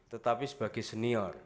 tetapi sebagai senior